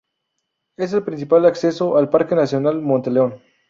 Es el principal acceso al Parque nacional Monte León.